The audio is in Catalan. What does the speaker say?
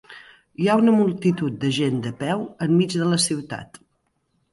Hi ha una multitud de gent de peu enmig de la ciutat.